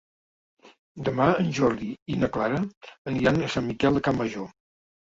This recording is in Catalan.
Demà en Jordi i na Clara aniran a Sant Miquel de Campmajor.